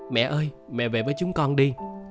mẹ ơi mẹ về với chúng con đi